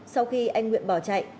sau khi anh nguyện bỏ chạy